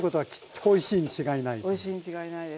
おいしいに違いないです。